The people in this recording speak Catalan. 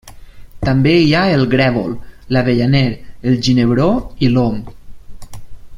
També hi ha el grèvol, l'avellaner, el ginebró i l'om.